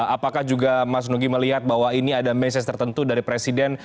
apakah juga mas nugi melihat bahwa ini ada message tertentu dari presiden